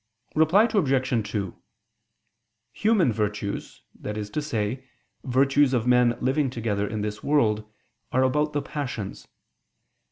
Reply Obj. 2: Human virtues, that is to say, virtues of men living together in this world, are about the passions.